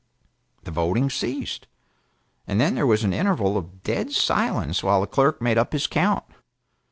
The voting ceased, and then there was an interval of dead silence while the clerk made up his count.